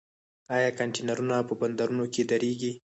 آیا کانټینرونه په بندرونو کې دریږي؟